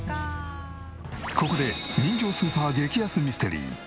ここで人情スーパー激安ミステリー。